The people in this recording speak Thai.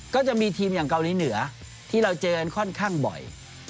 ก็จะมีทีมอย่างเกาหลีเหนือที่เราเจอกันค่อนข้างบ่อย